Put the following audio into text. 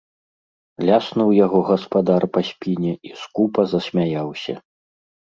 Ляснуў яго гаспадар па спіне і скупа засмяяўся.